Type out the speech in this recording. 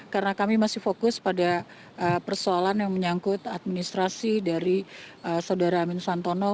karena kami masih fokus pada persoalan yang menyangkut administrasi dari saudara amin santono